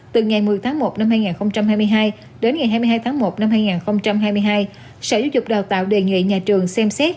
từ ngày một mươi tháng một năm hai nghìn hai mươi hai đến ngày hai mươi hai tháng một năm hai nghìn hai mươi hai sở giáo dục đào tạo đề nghị nhà trường xem xét